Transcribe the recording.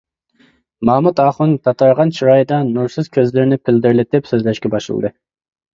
مامۇت ئاخۇن تاتارغان چىرايىدا، نۇرسىز كۆزلىرىنى پىلدىرلىتىپ سۆزلەشكە باشلىدى.